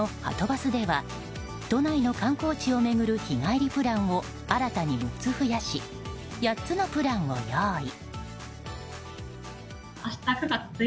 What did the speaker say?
バスでは都内の観光地を巡る日帰りプランを新たに６つ増やし８つのプランを用意。